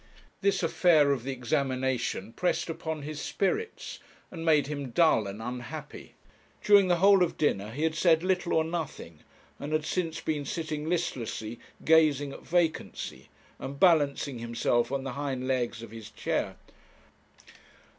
This affair of the examination pressed upon his spirits, and made him dull and unhappy. During the whole of dinner he had said little or nothing, and had since been sitting listlessly gazing at vacancy, and balancing himself on the hind legs of his chair.